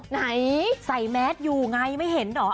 ไหนใส่แมสอยู่ไงไม่เห็นเหรอ